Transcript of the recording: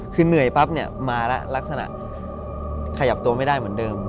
คือเหนื่อยปั๊บเนี่ยมาแล้วลักษณะขยับตัวไม่ได้เหมือนเดิม